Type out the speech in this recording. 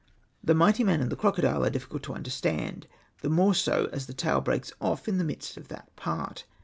The mighty man and the crocodile are difficult to understand, the more so as the tale breaks off m the midst of that part.